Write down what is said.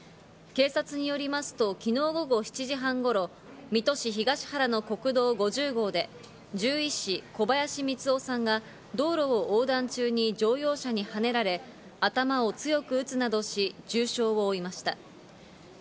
警察によりますと昨日午後日７時半頃、水戸市東原の国道５０号で獣医師・小林光男さんが道路を横断中に乗用車にはねられ、頭を強く打つなどし、重傷を負いました。